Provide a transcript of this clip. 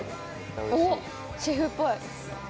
おっシェフっぽい。